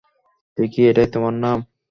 টিকি, এটাই তোমার নাম?